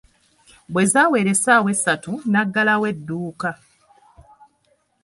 Bwe zaawera essaawa essatu n'aggalawo edduuka.